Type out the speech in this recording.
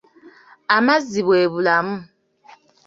Amazzi bw'ebulamu.